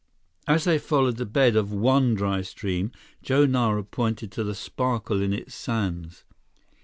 As they followed the bed of one dry stream, Joe Nara pointed to the sparkle in its sands.